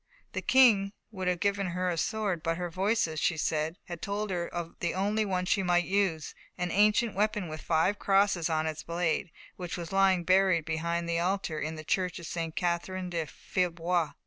The King would have given her a sword, but her voices, she said, had told her of the only one she might use, an ancient weapon with five crosses on its blade, which was lying buried behind the altar in the church of St. Catherine de Fierbois.